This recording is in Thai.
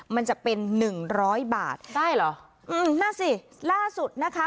มันจะเป็นหนึ่งร้อยบาทได้เหรออืมนั่นสิล่าสุดนะคะ